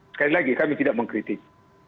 sekali lagi kami tidak mengkritik